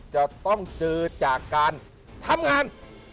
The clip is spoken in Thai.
จะต้องเจอจากการทำงาน